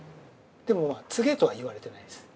でも継げとは言われてないんです。